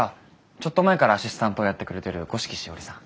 ちょっと前からアシスタントをやってくれている五色しおりさん。